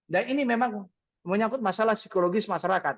dan ini memang menyangkut masalah psikologis masyarakat